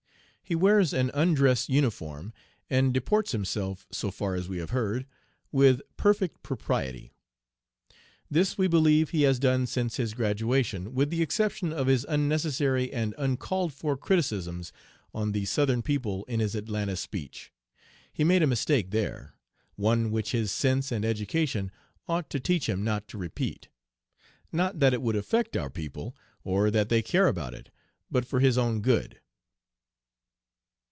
He wears an undress uniform and deports himself, so far as we have heard, with perfect propriety. This we believe he has done since his graduation, with the exception of his unnecessary and uncalled for criticisms on the Southern people in his Atlanta speech. He made a mistake there; one which his sense and education ought to teach him not to repeat. Not that it would affect our people, or that they care about it, but for his own good."